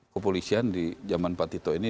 kepolisian di zaman patito ini